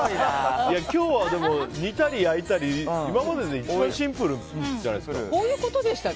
今日は煮たり焼いたり今までで一番シンプルじゃないですか。